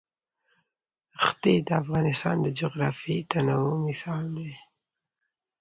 ښتې د افغانستان د جغرافیوي تنوع مثال دی.